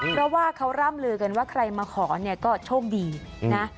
เพราะว่าเขาร่ำลือกันว่าใครมาขอเนี่ยก็โชคดีนะ